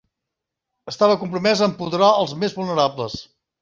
Estava compromès a empoderar als més vulnerables.